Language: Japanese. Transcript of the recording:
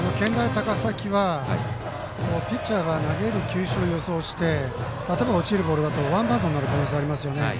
高崎はピッチャーが投げる球種を予想して例えば、落ちるボールだとワンバウンドになる可能性ありますよね。